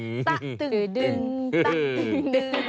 ตะตึกดึงตะตึกดึง